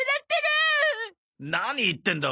何言ってんだ？